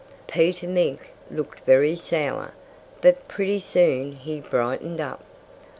Peter Mink looked very sour. But pretty soon he brightened up.